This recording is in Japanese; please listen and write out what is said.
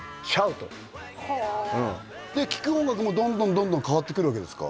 はあで聴く音楽もどんどんどんどん変わってくるわけですか？